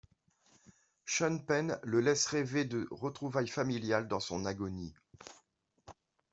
Sean Penn le laisse rêver de retrouvailles familiales dans son agonie.